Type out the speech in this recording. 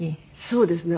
そうですね。